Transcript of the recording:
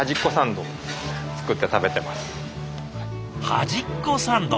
「端っこサンド」